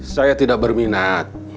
saya tidak berminat